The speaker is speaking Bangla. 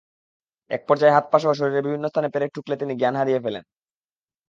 একপর্যায়ে হাত-পাসহ শরীরের বিভিন্ন স্থানে পেরেক ঠুকলে তিনি জ্ঞান হারিয়ে ফেলেন।